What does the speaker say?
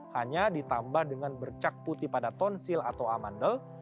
hanya ditambah dengan bercak putih pada tonsil atau amandel